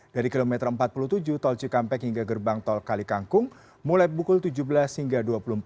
dari kilometer empat puluh tujuh tol cikampek hingga gerbang tol kalikangkung mulai pukul tujuh belas hingga dua puluh empat